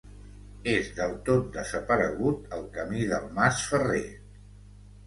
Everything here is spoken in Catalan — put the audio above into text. És del tot desaparegut el Camí del Mas Ferrer.